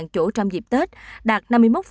chín mươi bốn chỗ trong dịp tết đạt năm mươi một